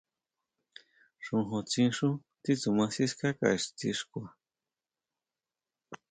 Xojóntsín xú titsuma sikáka ixti xkua.